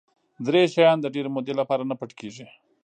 دری شیان د ډېرې مودې لپاره نه پټ کېږي.